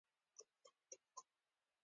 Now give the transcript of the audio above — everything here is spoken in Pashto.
د سلام جان سورکی زوی تېز تېر شو.